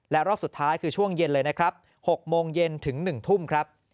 และรอบสุดท้ายคือช่วงเย็นเลยนะครับ๖โมงเย็นถึง๑ทุ่มครับ